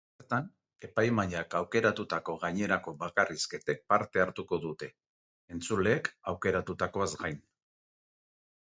Bertan, epaimahaiak aukeratutako gainerako bakarrizketek parte hartuko dute, entzuleek aukeratutakoaz gain.